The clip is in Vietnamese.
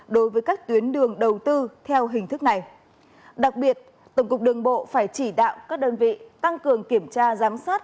đối với các tuyến đường đầu tư theo hình thức này đặc biệt tổng cục đường bộ phải chỉ đạo các đơn vị tăng cường kiểm tra giám sát